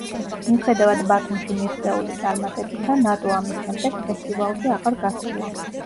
მიუხედავად ბათუმში მიღწეული წარმატებისა ნატო ამის შემდეგ ფესტივალზე აღარ გასულა.